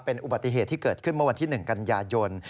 เป็นอุบัติเหตุที่เกิดขึ้นเมื่อวันที่๑กันยายน